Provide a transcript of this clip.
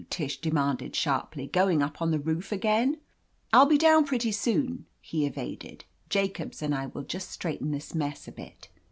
Tish de manded sharply. "Going up on the roof again ?" "I'll be down pretty soon/* he evaded. "Jacobs and I will just straighten this mess a bit."